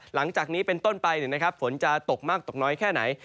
หลังจากนี้เป็นต้นไปฝนจะตกมากตกน้อยแค่ไหน